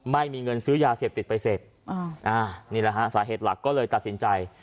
ไม่มีเงินซื้อยาเสพติดไปเสพนี่แหละฮะสาเหตุหลักก็เลยตัดสินใจ